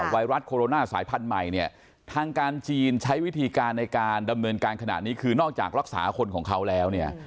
ไวรัสโคโรนาสายพันธุ์ใหม่เนี่ยทางการจีนใช้วิธีการในการดำเนินการขณะนี้คือนอกจากรักษาคนของเขาแล้วเนี่ย